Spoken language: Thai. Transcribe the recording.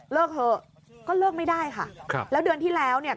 เถอะก็เลิกไม่ได้ค่ะครับแล้วเดือนที่แล้วเนี่ย